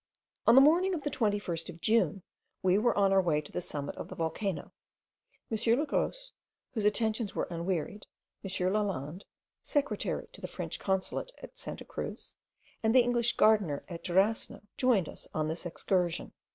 On the morning of the 21st of June, we were on our way to the summit of the volcano. M. Le Gros, whose attentions were unwearied, M. Lalande, secretary to the French Consulate at Santa Cruz, and the English gardener at Durasno, joined us on this excursion.